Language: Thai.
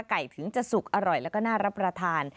ถึงจะสุกอร่อยแล้วก็น่ารับประทาน